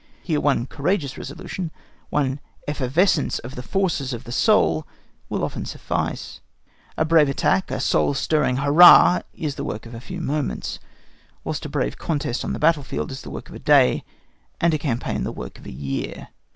Here one courageous resolution, one effervescence of the forces of the soul, will often suffice. A brave attack, a soul stirring hurrah, is the work of a few moments, whilst a brave contest on the battle field is the work of a day, and a campaign the work of a year.